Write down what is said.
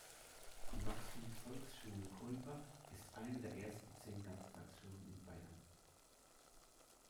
Die Max-Hundt-Volksschule Kulmbach ist eine der ersten zehn Ganztagsschulen in Bayern.